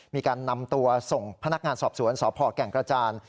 มีการนำตัวส่งพนักงานสอบสวนสพแก่งกระจาน